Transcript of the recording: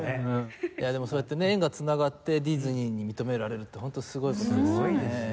でもそうやってね縁が繋がってディズニーに認められるってホントすごい事ですよね。